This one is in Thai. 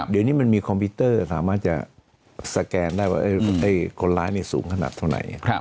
เดี๋ยวนี้มันมีคอมพิวเตอร์สามารถจะสแกนได้ว่าคนร้ายสูงขนาดตรงไหน